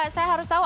saya harus tahu